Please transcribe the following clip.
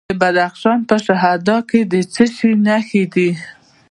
د بدخشان په شهدا کې د څه شي نښې دي؟